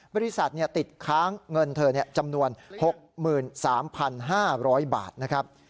บริษัทติดค้างเงินเธอจำนวน๖๓๕๐๐บาทนะครับ